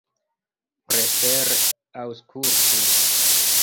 Prefere aŭskultu!